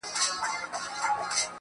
لکه زرکه لکه زاڼه د دې غــرونو